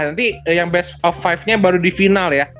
nanti yang best of lima nya baru di final ya